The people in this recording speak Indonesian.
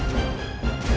saya sudah berhenti